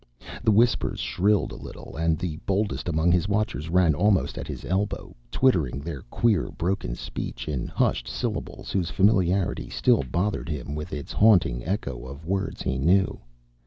The whispers shrilled a little, and the boldest among his watchers ran almost at his elbow, twittering their queer, broken speech in hushed syllables whose familiarity still bothered him with its haunting echo of words he knew.